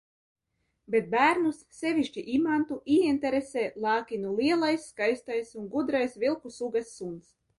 Bet bērnus, sevišķi Imantu, ieinteresē Lākinu lielais skaistais un gudrais vilku sugas suns.